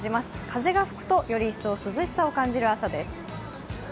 風が吹くと、より一層涼しさを感じる朝です。